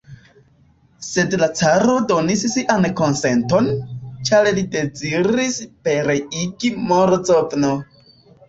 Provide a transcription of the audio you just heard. Sed la caro donis sian konsenton, ĉar li deziris pereigi Morozov'n.